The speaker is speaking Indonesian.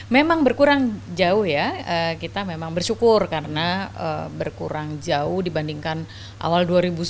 memang berkurang jauh ya kita memang bersyukur karena berkurang jauh dibandingkan awal dua ribu sembilan belas